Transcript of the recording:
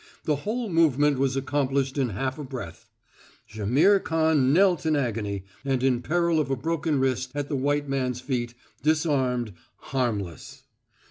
The whole movement was accomplished in half a breath. Jaimihr Khan knelt in agony, and in peril of a broken wrist, at the white man's feet, disarmed, harmless.